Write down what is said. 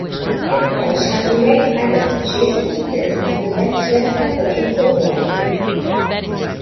Head coach Andy Reid added, Jason Peters is the best left tackle in football.